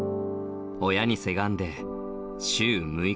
親にせがんで週６日